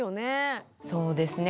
そうですね。